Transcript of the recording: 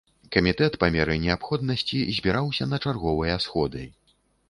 Камітэт па меры неабходнасці збіраўся на чарговыя сходы.